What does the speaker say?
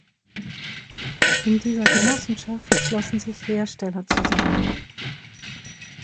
In dieser Genossenschaft schlossen sich Hersteller zusammen.